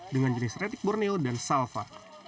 dengan jenis retik borneo dan salva